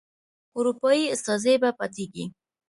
اروپایي استازی به پاتیږي.